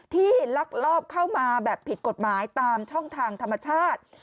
ลักลอบเข้ามาแบบผิดกฎหมายตามช่องทางธรรมชาติ